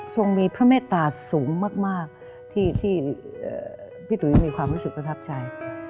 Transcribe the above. ทรงมีพระเมตตาสูงมากที่พี่ตุ๋ยมีความรู้สึกประทับใจ